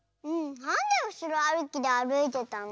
なんでうしろあるきであるいてたの？